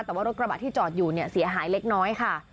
แต่ว่ารถกระบะที่จอดอยู่เนี่ยเสียหายเล็กน้อยค่ะ